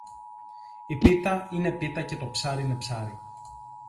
Η πίτα είναι πίτα και το ψάρι είναι ψάρι.